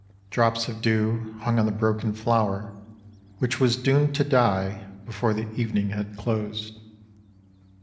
Drops of dew hung on the broken flower, which was doomed to die before the evening had closed.